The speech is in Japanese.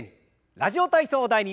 「ラジオ体操第２」。